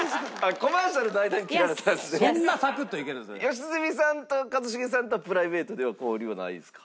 良純さんと一茂さんとはプライベートでは交流はないですか？